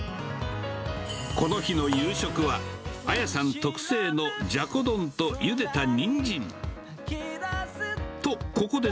この日の夕食は、あやさん特製のジャコ丼とゆでたニンジン。